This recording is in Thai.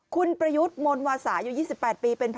คุณประยุทธ์มนวาสาอยู่๒๘ปีเป็นพนักงานปั๊ม